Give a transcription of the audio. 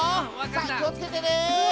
さあきをつけてね。